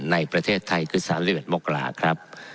ในประเทศไทยคือ๓๑มกราครับ